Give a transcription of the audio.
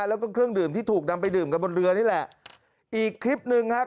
แล้วก็เครื่องดื่มที่ถูกนำไปดื่มกันบนเรือนี่แหละอีกคลิปหนึ่งครับ